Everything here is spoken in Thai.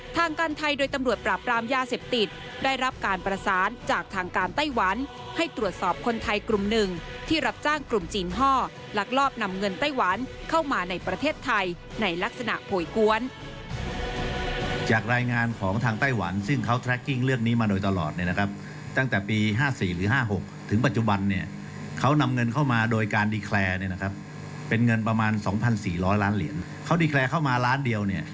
ทางการไทยโดยตำรวจปราบรามยาเสพติดได้รับการประสานจากทางการไต้หวันให้ตรวจสอบคนไทยกลุ่มหนึ่งที่รับจ้างกลุ่มจีนฮ่อหลักลอบนำเงินไต้หวันเข้ามาในประเทศไทยในลักษณะโผยกวน